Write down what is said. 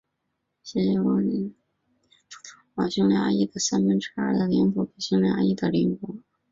协约国在特里亚农条约剥夺了匈牙利的三分之二领土给匈牙利的邻国。